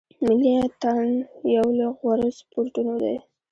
ملي اټن یو له غوره سپورټو دی.